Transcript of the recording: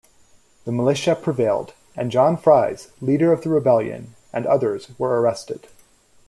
The militia prevailed, and John Fries, leader of the rebellion, and others were arrested.